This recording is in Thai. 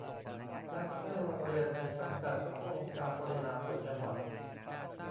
การทำให้โรงเรียนในสังกัดขององค์การบริหารส่วนจังหวัด